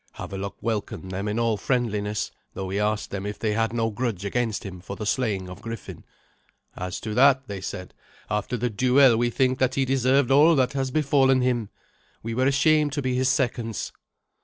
Havelok welcomed them in all friendliness, though he asked them if they had no grudge against him for the slaying of Griffin. "As to that," they said, "after the duel we think that he deserved all that has befallen him. We were ashamed to be his seconds."